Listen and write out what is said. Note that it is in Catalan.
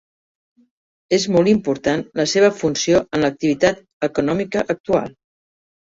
És molt important la seva funció en l'activitat econòmica actual.